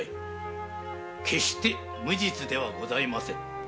決して「無実」ではございません。